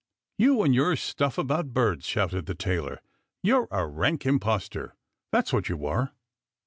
" You with your stuff about birds," shouted the tailor ;" you're a rank impostor ! That's what you are